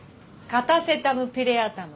カタセタムピレアタム。